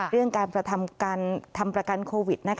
เรื่องการทำประกันโควิด